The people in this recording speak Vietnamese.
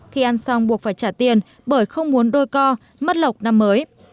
khi ăn xong buộc phải trả tiền bởi không muốn đôi co mất lộc năm mới